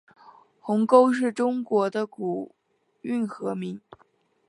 鸿沟是中国的古运河名。